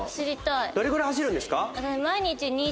どれぐらい走るんですか？